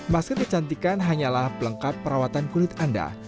masker kecantikan hanyalah pelengkap perawatan kulit anda